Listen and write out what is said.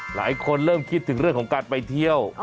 หลายคนเริ่มคิดถึงเรื่องของการไปเที่ยว